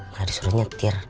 malah disuruh nyetir